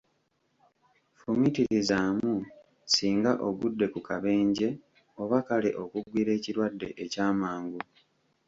Fumiitirizaamu singa ogudde ku kabenje, oba kale okugwirwa ekirwadde ekyamangu!